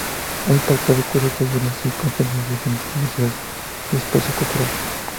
Ha impartido cursos, talleres y conferencias en diferentes universidades y espacio culturales.